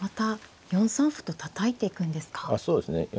そうですね。